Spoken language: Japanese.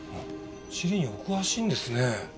地理にお詳しいんですね。